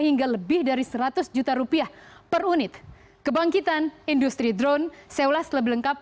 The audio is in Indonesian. hingga lebih dari seratus juta rupiah per unit kebangkitan industri drone seolah selebelengkap